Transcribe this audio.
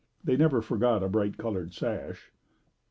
They never forgot a bright colored sash.